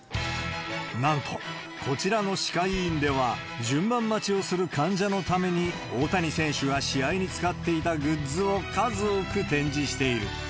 なんと、こちらの歯科医院では、順番待ちをする患者のために、大谷選手が試合に使っていたグッズを数多く展示している。